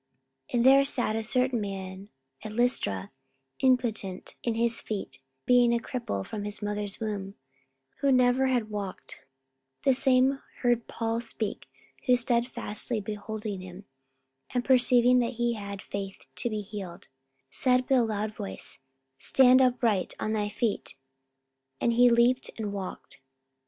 44:014:008 And there sat a certain man at Lystra, impotent in his feet, being a cripple from his mother's womb, who never had walked: 44:014:009 The same heard Paul speak: who stedfastly beholding him, and perceiving that he had faith to be healed, 44:014:010 Said with a loud voice, Stand upright on thy feet. And he leaped and walked.